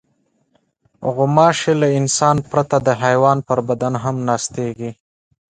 غوماشې له انسان پرته د حیوان پر بدن هم ناستېږي.